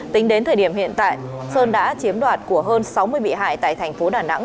tính đến thời điểm hiện tại sơn đã chiếm đoạt của hơn sáu mươi bị hại tại thành phố đà nẵng